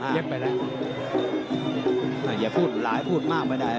อยากพูดหลายพูดมากไปได้